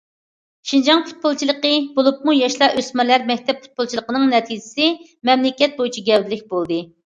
شىنجاڭ پۇتبولچىلىقى، بولۇپمۇ ياشلار، ئۆسمۈرلەر مەكتەپ پۇتبولچىلىقىنىڭ نەتىجىسى مەملىكەت بويىچە گەۋدىلىك بولدى.